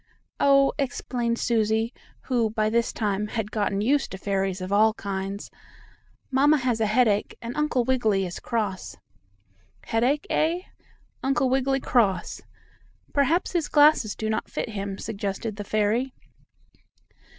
"Oh," explained Susie, who, by this time, had gotten used to fairies of all kinds, "Mamma has a headache, and Uncle Wiggily is cross." "Headache, eh? Uncle Wiggily cross. Perhaps his glasses do not fit him," suggested the fairy.